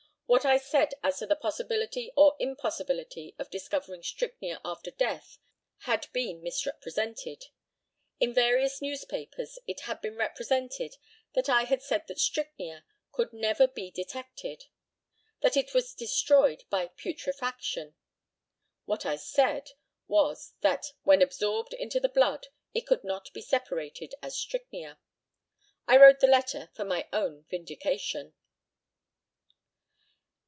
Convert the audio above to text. What I said as to the possibility or impossibility of discovering strychnia after death had been misrepresented. In various newspapers it had been represented that I had said that strychnia could never be detected that it was destroyed by putrefaction. What I said was, that when absorbed into the blood it could not be separated as strychnia. I wrote the letter for my own vindication.